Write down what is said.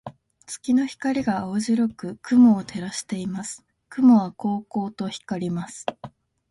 月の光が青白く雲を照らしています。雲はこうこうと光ります。